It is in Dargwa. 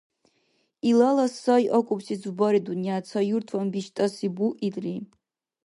Илала сай акӀубси зубари-дунъя ца юртван биштӀаси буилри!